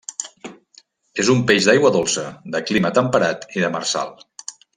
És un peix d'aigua dolça, de clima temperat i demersal.